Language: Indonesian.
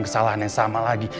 kesalahan yang sama lagi